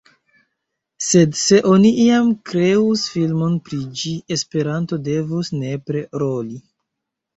Sed se oni iam kreus filmon pri ĝi, Esperanto devus nepre roli.